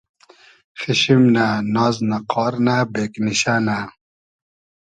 خیشیم نۂ ، ناز نۂ، قار نۂ ، بېگنیشۂ نۂ